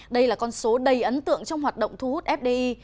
đây là con số đầy ấn tượng trong hoạt động thu hút fdi